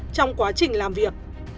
trong quá trình làm việc